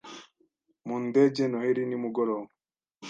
Mu ndege Noheri nimugoroba